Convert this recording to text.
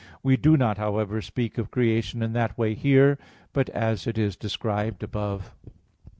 We do not, however, speak of creation in that way here, but as it is described above.